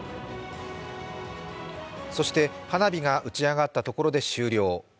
そして花火が打ち上がったところで終了。